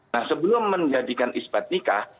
nah sebelum menjadikan isbat nikah